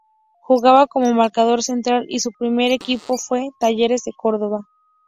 Jugaba como marcador central y su primer equipo fue Talleres de Córdoba.